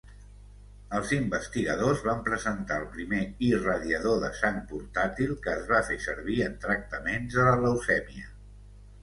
Els investigadors van presentar el primer irradiador de sang portàtil, que es va fer servir en tractaments de la leucèmia.